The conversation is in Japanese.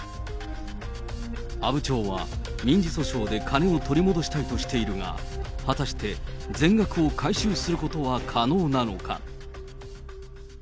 阿武町は民事訴訟で金を取り戻したいとしているが、果たして、全額を回収することは可能なのか。